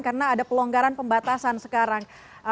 karena ada pelonggaran pembatasan sekarang